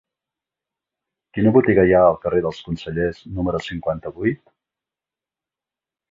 Quina botiga hi ha al carrer dels Consellers número cinquanta-vuit?